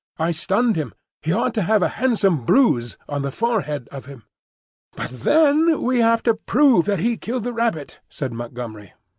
"I stunned him. He ought to have a handsome bruise on the forehead of him." "But then we have to prove that he killed the rabbit," said Montgomery.